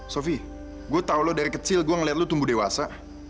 sofie gue tau lo dari kecil gue ngeliat lu tumbuh dewasa